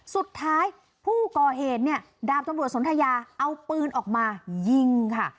สุดท้ายผู้ก่อเหตุเนี่ยดาบตำรวจสนทยาเอาปืนออกมายิงค่ะ